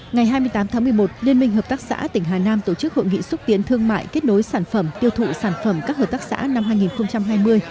ngày hai mươi tám tháng một mươi một liên minh hợp tác xã tỉnh hà nam tổ chức hội nghị xúc tiến thương mại kết nối sản phẩm tiêu thụ sản phẩm các hợp tác xã năm hai nghìn hai mươi